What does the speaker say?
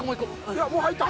いやもう入った。